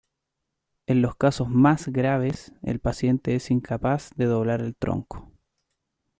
En los casos más graves, el paciente es incapaz de doblar el tronco.